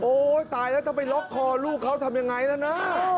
โอ้โฮตายแล้วจะไปล็อคคอลูกเขาทำยังไงแล้วนะ